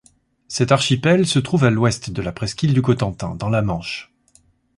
Cet archipel se trouve à l'ouest de la presqu'île du Cotentin dans la Manche.